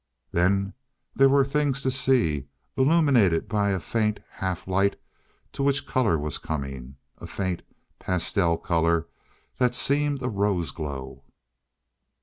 Then there were things to see, illumined by a faint half light to which color was coming; a faint, pastel color that seemed a rose glow.